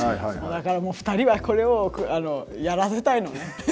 だからもう２人はこれをやらせたいのね。